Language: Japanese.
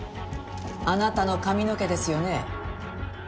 あなたの髪の毛ですよね？